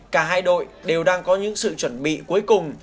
cả hai đội đều đang có những sự chuẩn bị cuối cùng